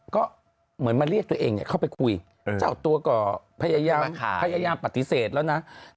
ก็เหมือนมาเรียกตัวเองเข้าไปคุยเจ้าตัวก็พยายามปฏิเสธแล้วนะ